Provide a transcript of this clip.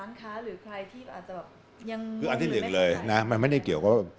ยังไม่เข้าใจคืออันที่หนึ่งเลยนะมันไม่ได้เกี่ยวว่า